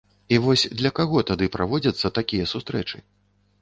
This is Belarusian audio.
І вось для каго тады праводзяцца такія сустрэчы?